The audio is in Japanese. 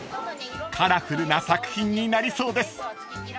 ［カラフルな作品になりそうです］